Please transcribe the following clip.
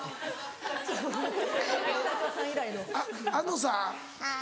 あっあのさん。